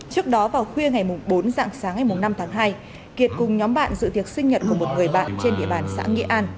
trước đó vào khuya ngày bốn dạng sáng ngày năm tháng hai kiệt cùng nhóm bạn dự tiệc sinh nhật của một người bạn trên địa bàn xã nghị an